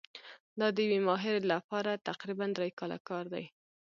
دا د یوې ماهرې لپاره تقریباً درې کاله کار دی.